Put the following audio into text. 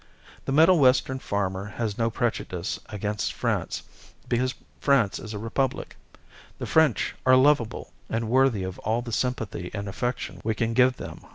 The Middle Western farmer has no prejudice against France, because France is a republic. The French are lovable, and worthy of all the sympathy and affection we can give them.